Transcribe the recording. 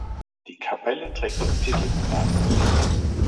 Die Kapelle trägt den Titel "Namen Jesu".